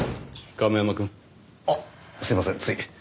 亀山くん。あっすいませんつい。